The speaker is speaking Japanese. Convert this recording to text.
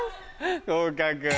合格。